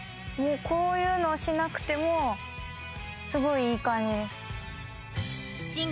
もうこういうのをしなくてもすごいいい感じです